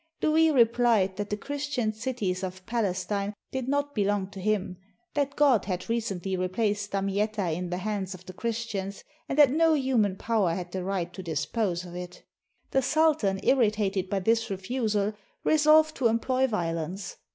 Louis replied that the Christian cities of Palestine did not belong to him; that God had recently replaced Damietta in the hands of the Christians, and that no human power had the right to dispose of it. The sultan, irritated by this refusal, resolved to employ violence.